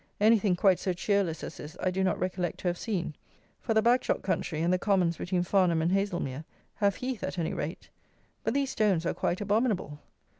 Anything quite so cheerless as this I do not recollect to have seen; for the Bagshot country, and the commons between Farnham and Haslemere, have heath at any rate; but these stones are quite abominable.